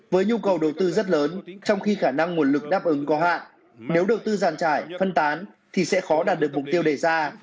với nhu cầu đầu tư rất lớn trong khi khả năng nguồn lực đáp ứng có hạn nếu đầu tư giàn trải phân tán thì sẽ khó đạt được mục tiêu đề ra